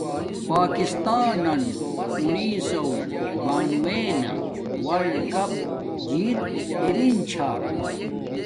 پاکستانن اُنیسوہ بانووے نا ولڈکیپ جیت ارین چھا